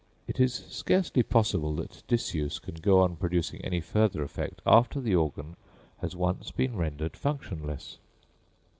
It is scarcely possible that disuse can go on producing any further effect after the organ has once been rendered functionless.